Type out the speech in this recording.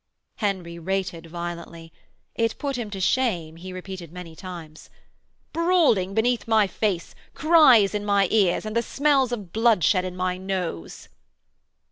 Henry rated violently. It put him to shame, he repeated many times. 'Brawling beneath my face, cries in my ears, and the smell of bloodshed in my nose.'